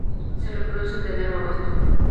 Se reproducen de enero a agosto.